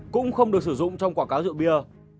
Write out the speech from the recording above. cũng không được sử dụng trong quảng cáo rượu bia